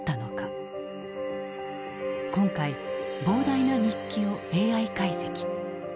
今回膨大な日記をＡＩ解析。